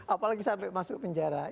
apalagi sampai masuk penjara